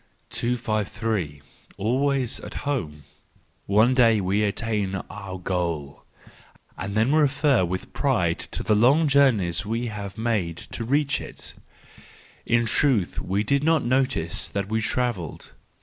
253 . Always at Home .—One day we attain our goal — and then refer with pride to the long journeys we have made to reach it In truth, we did not notice that we travelled.